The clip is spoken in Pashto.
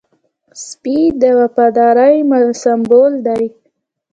سپي د وفادارۍ سمبول دی.